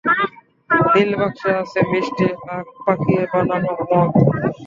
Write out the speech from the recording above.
নীল বাক্সে আছে মিষ্টি আখ পাকিয়ে বানানো মদ।